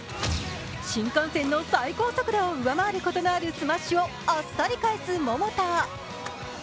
新幹線の最高速度を上回ることがあるスマッシュをあっさり返す桃田。